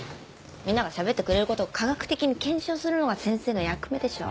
みんながしゃべってくれることを科学的に検証するのが先生の役目でしょ？